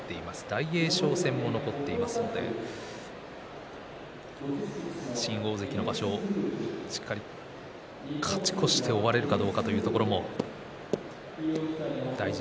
大栄翔戦も残っていますので新大関の場所しっかり勝ち越して終われるかどうかというところも大事。